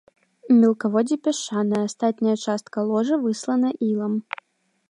Мелкаводдзе пясчанае, астатняя частка ложа выслана ілам.